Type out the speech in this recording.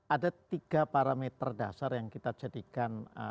ada tiga parameter dasar yang kita jadikan